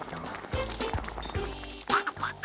パクパク。